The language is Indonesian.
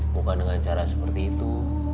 bukan dengan cara seperti itu